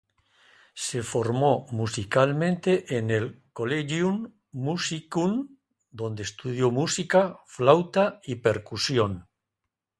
Se formó musicalmente en el Collegium Musicum, donde estudió música, flauta y percusión.